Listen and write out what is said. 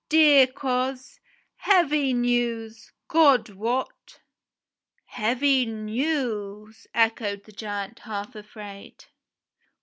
"Dear coz, heavy news, God wot !" "Heavy news," echoed the giant, half afraid.